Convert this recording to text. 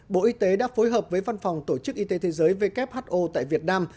bộ y tế đã phối hợp với văn phòng tổ chức y tế thế giới who tại việt nam